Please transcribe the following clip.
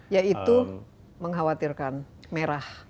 yaitu mengkhawatirkan merah